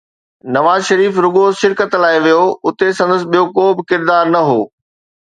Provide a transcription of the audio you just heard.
نواز شريف رڳو شرڪت لاءِ ويو، اتي سندس ٻيو ڪو به ڪردار نه هو.